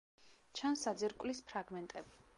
ჩანს საძირკვლის ფრაგმენტები.